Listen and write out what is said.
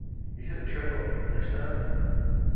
You hit a triple, understand?